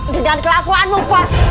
dengan kelakuanmu pak